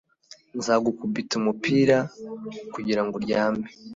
nzagukubita umupira kugirango uryame